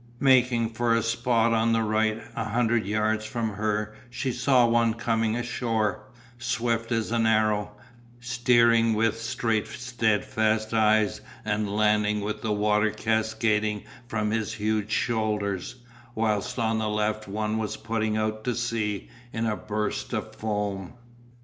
Making for a spot on the right, a hundred yards from her she saw one coming ashore, swift as an arrow, steering with straight steadfast eyes and landing with the water cascading from his huge shoulders, whilst on the left one was putting out to sea in a burst of foam.